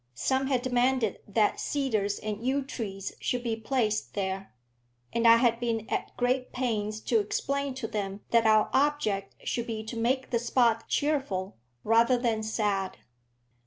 Some had demanded that cedars and yew trees should be placed there, and I had been at great pains to explain to them that our object should be to make the spot cheerful, rather than sad.